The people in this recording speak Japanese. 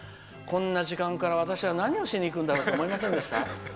こんな時間から私は何をしに行くんだろうって思いませんでした？